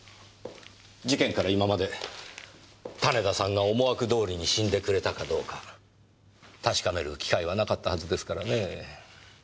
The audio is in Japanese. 事件から今まで種田さんが思惑通りに死んでくれたかどうか確かめる機会はなかったはずですからねぇ。